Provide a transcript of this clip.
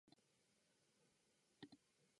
きう ｎｙｈｂ